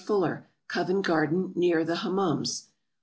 FULLER, Covent Garden, near the Hummums.